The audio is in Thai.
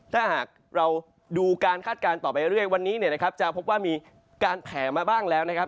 ถ้าหากเราดูการคาดการณ์ต่อไปเรื่อยวันนี้เนี่ยนะครับจะพบว่ามีการแผลมาบ้างแล้วนะครับ